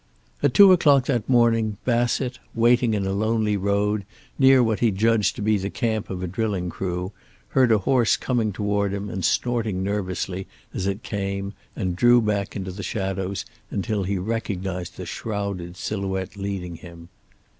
At two o'clock that morning Bassett, waiting in a lonely road near what he judged to be the camp of a drilling crew, heard a horse coming toward him and snorting nervously as it came and drew back into the shadows until he recognized the shrouded silhouette leading him.